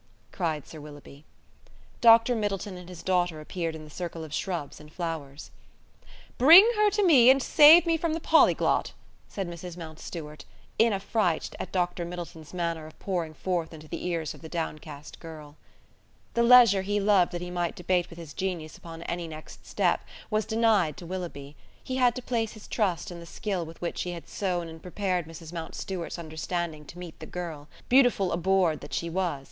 cried Sir Willoughby. Dr Middleton and his daughter appeared in the circle of shrubs and flowers. "Bring her to me, and save me from the polyglot," said Mrs Mountstuart, in afright at Dr. Middleton's manner of pouring forth into the ears of the downcast girl. The leisure he loved that he might debate with his genius upon any next step was denied to Willoughby: he had to place his trust in the skill with which he had sown and prepared Mrs Mountstuart's understanding to meet the girl beautiful abhorred that she was!